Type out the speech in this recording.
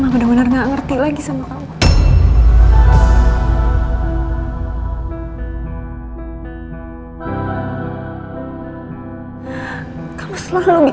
mama benar benar nggak ngerti lagi sama kamu